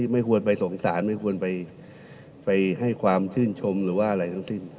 ไม่ควรไปสงสารไม่ควรไปให้ความชื่นชมหรือว่าอะไรทั้งสิ้น